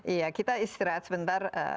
iya kita istirahat sebentar